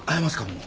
もう。